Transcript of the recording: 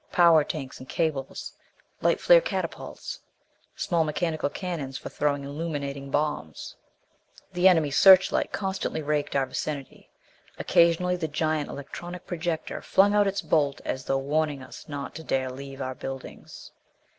Power tanks and cables. Light flare catapults small mechanical cannons for throwing illuminating bombs. The enemy searchlight constantly raked our vicinity. Occasionally the giant electronic projector flung out its bolt as though warning us not to dare leave our buildings.